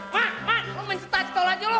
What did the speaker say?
mak mak lo mau mencetak sekolah aja lo